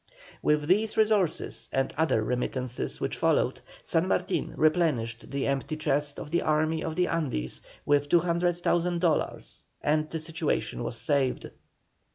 With these resources and other remittances which followed, San Martin replenished the empty chest of the Army of the Andes with 200,000 dollars, and the situation was saved.